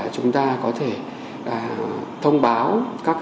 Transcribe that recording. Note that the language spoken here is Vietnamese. chúng ta có thể thông báo các cơ sở y tế